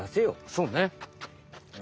そうね。